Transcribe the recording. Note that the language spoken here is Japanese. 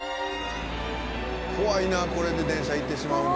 怖いなこれで電車行ってしまうの。